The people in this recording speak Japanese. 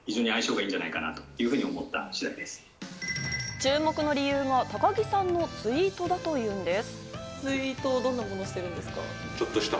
注目の理由が高木さんのツイートだというんです。